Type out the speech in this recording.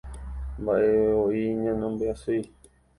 Mba'evevoi nañambyasýi